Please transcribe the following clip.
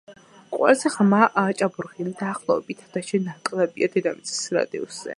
ყველაზე ღრმა ჭაბურღილი დაახლოებით ათასჯერ ნაკლებია დედამიწის რადიუსზე.